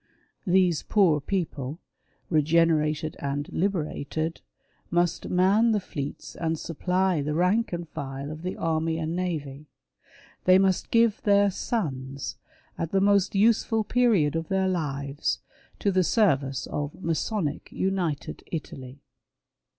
These poor people, " regenerated and liberated," must mon the fleets and supply the rank and file of the army and navy ; they must give their sons, at the most useful period of their lives, to the " service " of Masonic " United Italy."